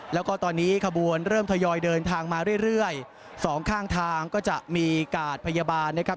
แล้วก็ตอนนี้ขบวนเริ่มทยอยเดินทางมาเรื่อยสองข้างทางก็จะมีกาดพยาบาลนะครับ